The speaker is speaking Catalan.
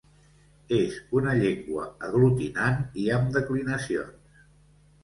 És una llengua aglutinant i amb declinacions.